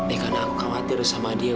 eh karena aku khawatir sama dia